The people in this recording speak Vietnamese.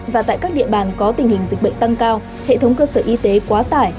và tại các địa bàn có tình hình dịch bệnh tăng cao hệ thống cơ sở y tế quá tải